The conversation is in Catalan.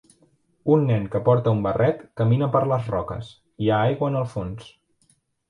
Un nen que porta un barret camina per les roques, hi ha aigua en el fons.